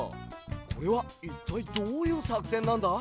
これはいったいどういうさくせんなんだ？